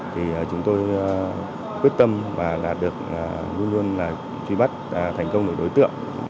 thì chúng tôi quyết tâm và được luôn luôn truy bắt thành công người đối tượng